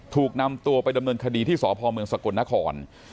ถูกนำตัวไปดำเนินคดีที่สพเมืองสกลนคร